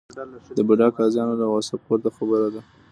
د بوډا قاضیانو له وسه پورته خبره ده.